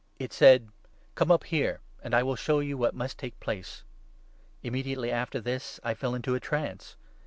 It said —' Come up here and I will show you what must take place.' Immediately after this I fell into a trance.